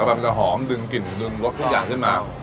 มันจะหอมดึงกลิ่นดึงรสทุกอย่างขึ้นมา